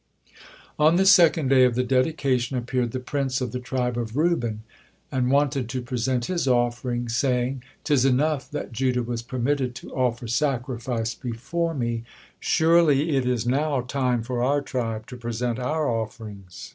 On the second day of the dedication appeared the prince of the tribe of Reuben and wanted to present his offering, saying: "Tis enough that Judah was permitted to offer sacrifice before me, surely it is not time for our tribe to present our offerings."